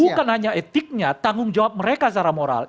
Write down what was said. bukan hanya etiknya tanggung jawab mereka secara moral